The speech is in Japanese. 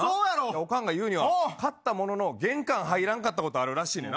おかんが言うには、買ったものの、玄関入らんかったことあるねんな。